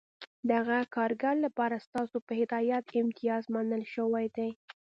د هغه کارګر لپاره ستاسو په هدایت امتیاز منل شوی دی